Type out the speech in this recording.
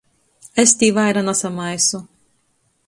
Es tī vaira nasamaisu.